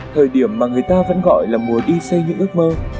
thời điểm mà người ta vẫn gọi là mùa y xây những ước mơ